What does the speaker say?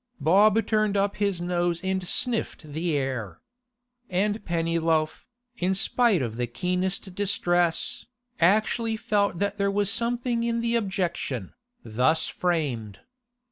Bob turned up his nose and sniffed the air. And Pennyloaf, in spite of the keenest distress, actually felt that there was something in the objection, thus framed!